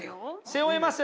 背負えます？